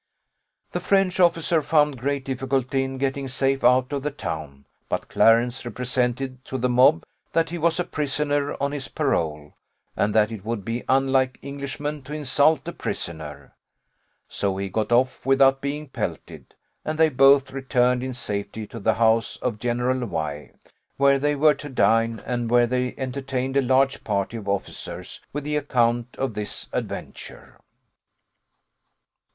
"The French officer found great difficulty in getting safe out of the town; but Clarence represented to the mob that he was a prisoner on his parole, and that it would be unlike Englishmen to insult a prisoner. So he got off without being pelted, and they both returned in safety to the house of General Y , where they were to dine, and where they entertained a large party of officers with the account of this adventure.